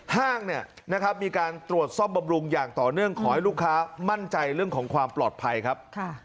ห้างเนี่ยนะครับมีการตรวจซ่อมบำรุงอย่างต่อเนื่องขอให้ลูกค้ามั่นใจเรื่องของความปลอดภัยครับ